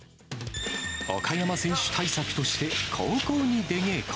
岡山選手対策として、高校に出稽古。